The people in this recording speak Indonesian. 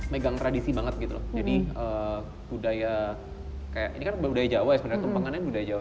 megang tradisi banget gitu loh jadi budaya ini kan budaya jawa ya sebenarnya tumpeng kan ini budaya jawa